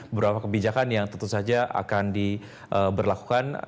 beberapa kebijakan yang tentu saja akan diberlakukan